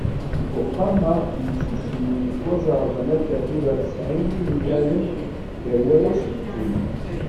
Deg Uxxam-a n Tmussni, ttwajerrden akka tura tesɛin n yinelmaden, gar warrac d tullas.